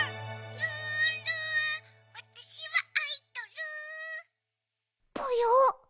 ・「ルンルンわたしはアイドル」ぽよ？